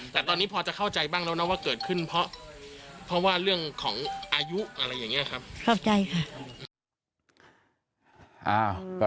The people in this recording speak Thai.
แต่ตอนนี้พอจะเข้าใจบ้างแล้วนะว่าเกิดขึ้นเพราะว่าเรื่องของอายุค่ะ